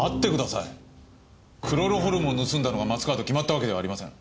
クロロホルムを盗んだのが松川と決まったわけではありません。